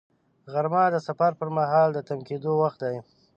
غرمه د سفر پر مهال د تم کېدو وخت دی